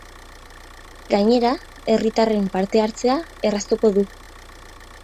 Gainera, herritarren parte-hartzea erraztuko du.